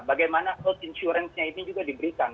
bagaimana road insurance nya ini juga diberikan